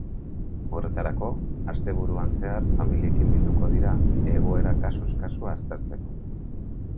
Horretarako, asteburuan zehar familiekin bilduko dira, egoera kasuz kasu aztertzeko.